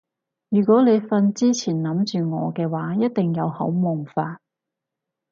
如果你瞓之前諗住我嘅話一定有好夢發